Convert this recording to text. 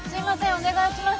お願いします。